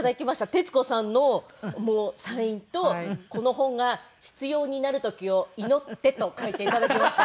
徹子さんのサインと「この本が必要になる時を祈って」と書いて頂きまして。